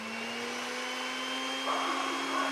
ولې ځايي واردوونکي کرنیز ماشین الات له هند څخه واردوي؟